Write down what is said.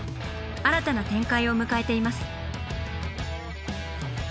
新たな展開を迎えています。